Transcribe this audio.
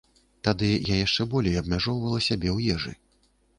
Тады я яшчэ болей абмяжоўвала сябе ў ежы.